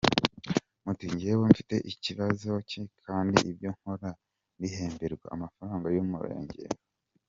Muti njyewe mfite kibazo ki kandi ibyo nkora mbihemberwa amafaranga y’umurengera ?